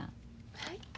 はい？